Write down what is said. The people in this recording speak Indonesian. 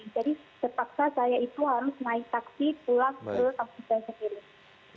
jadi terpaksa saya itu harus naik taksi pulang ke kampung saya sendiri